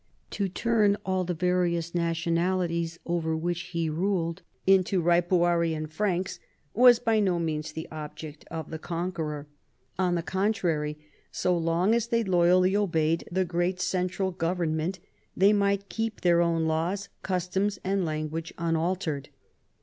To turn all the various nationalities over which he ruled intoRipua rian Franks was by no means the object of the con queror ; on the contrary, so long as they loyally obeyed the great central government they might keep their own laws, customs, and language unaltered.